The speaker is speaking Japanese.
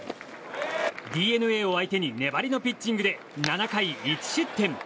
ＤｅＮＡを相手に粘りのピッチングで７回１失点。